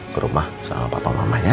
ke rumah sama papa mamanya